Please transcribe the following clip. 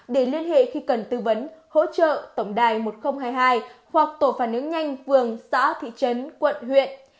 để liên hệ khi cần tư vấn hỗ trợ tổng đài một nghìn hai mươi hai hoặc tổ phản ứng nhanh phường xã thị trấn quận huyện